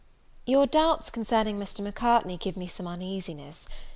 Your doubts concerning Mr. Macartney give me some uneasiness.